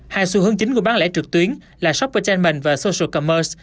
hai xu hướng chính của bán lẽ trực tuyến là shoppertainment và social commerce